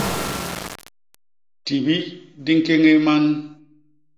Tibi di ñkéñéé man.